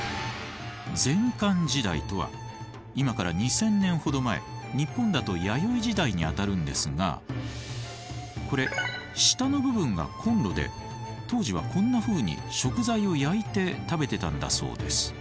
前漢時代とは今から２，０００年ほど前日本だと弥生時代にあたるんですがこれ下の部分がコンロで当時はこんなふうに食材を焼いて食べてたんだそうです。